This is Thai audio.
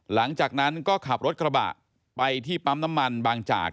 หลังจากนั้นก็ขับรถกระบะไปที่ปั๊มน้ำมันบางจาก